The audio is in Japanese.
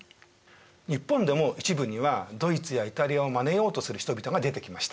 日本でも一部にはドイツやイタリアをまねようとする人々が出てきました。